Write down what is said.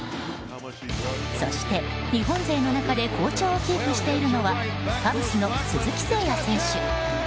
そして、日本勢の中で好調をキープしているのはカブスの鈴木誠也選手。